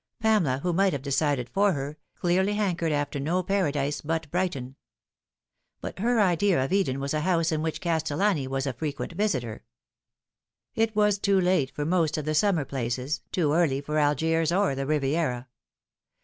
Pamela, who might have decided for her, clearly hankered after no para dise but Brighton. Her idea of Eden was a house in which Castellani was a frequent visitor It was too late for most of the summer places, too early for Algiers or the Riviera.